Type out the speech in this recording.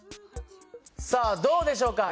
さあどうでしょうか？